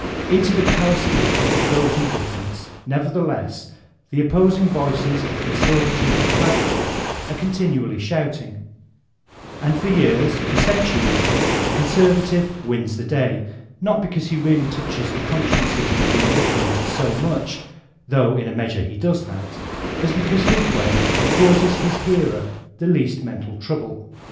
Into the callous ears of these indifferents, nevertheless, the op posing voices of conservative and radical are continually shouting; and for years, for centuries, the conservative wins the day, not because he really touches the consciences of the indifferent so much (though in a measure he does that) as because his way causes his hearer the least men tal trouble.